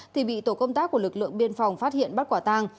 thì bị tổ công tác của lực lượng biên phòng phát hiện bắt quả tang